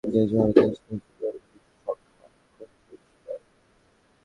বিশ্বের দ্বিতীয় বৃহত্তম জনসংখ্যার দেশ ভারতেও ফেসবুক ব্যবহারকারীর সংখ্যা খুব বেশি নয়।